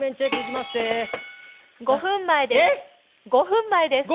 ５分前です。